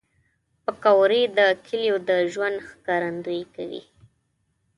پکورې د کلیو د ژوند ښکارندویي کوي